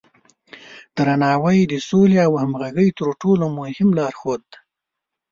درناوی د سولې او همغږۍ تر ټولو مهم لارښود دی.